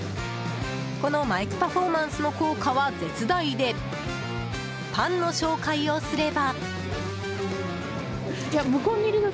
このマイクパフォーマンスの効果は絶大でパンの紹介をすれば。